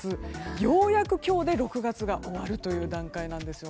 ようやく今日で６月が終わるという段階なんです。